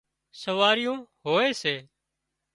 سواريون هوئي سي